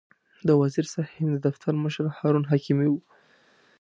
د وزیر صاحب د دفتر مشر هارون حکیمي و.